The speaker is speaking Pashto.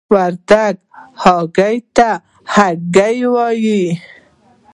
وردګ هګۍ ته آګۍ وايي.